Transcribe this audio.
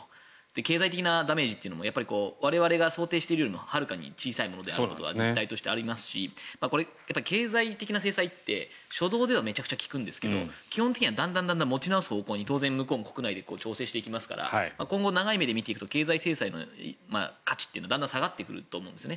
経済的なダメージというのも我々が想定しているよりもはるかに小さいというのが実態としてありますし経済的な制裁って初動ではめちゃくちゃ効くんですが基本的はだんだん持ち直す方向に当然向こうも国内で調整していきますから長い目で見ると経済制裁の価値って下がってくると思うんですね。